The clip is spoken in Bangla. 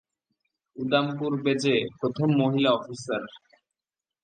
উদামপুর বেজে প্রথম মহিলা অফিসার।